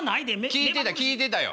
聴いてた聴いてたよ。